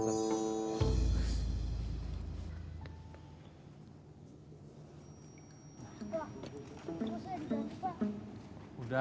pak kostumnya sudah pak